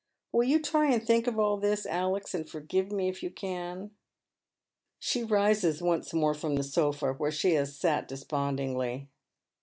Will you try to think of all this, Alex, and forgive me, if you can ?" She rises once more fi'om the sofa where she has sat despond iiigly.